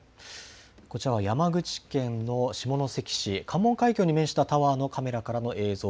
こちらは山口県の下関市、関門海峡に面したタワーのカメラからの映像。